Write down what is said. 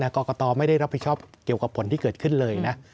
กรกตไม่ได้รับผิดชอบเกี่ยวกับผลที่เกิดขึ้นเลยนะ